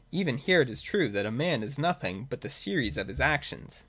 Even here it is true that a man is nothing but the series of his actions.